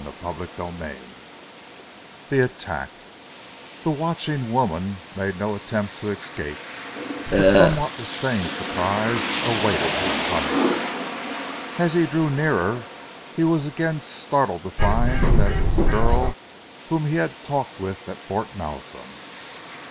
CHAPTER XVII THE ATTACK The watching woman made no attempt to escape, but somewhat to Stane's surprise, awaited his coming. As he drew nearer he was again startled to find that it was the girl whom he had talked with at Fort Malsun.